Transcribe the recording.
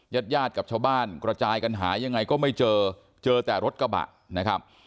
ญาติญาติกับชาวบ้านกระจายกันหายังไงก็ไม่เจอเจอแต่รถกระบะนะครับ